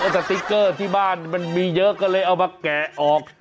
สติ๊กเกอร์ที่บ้านมันมีเยอะก็เลยเอามาแกะออก